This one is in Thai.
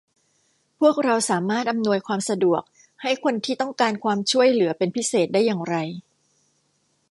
พวกเราสามารถอำนวยความสะดวกให้คนที่ต้องการความช่วยเหลือเป็นพิเศษได้อย่างไร